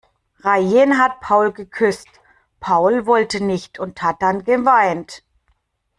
Rayen hat Paul geküsst, Paul wollte nicht und hat dann geweint.